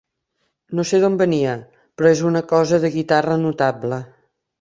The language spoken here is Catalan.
No sé d'on venia, però és una cosa de guitarra notable.